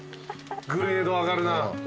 グレード上がるな。